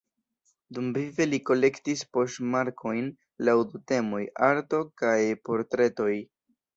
Dumvive li kolektis poŝtmarkojn laŭ du temoj: ""Arto"" kaj ""Portretoj"".